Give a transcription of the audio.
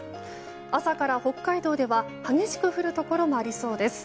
朝から北海道では激しく降るところもありそうです。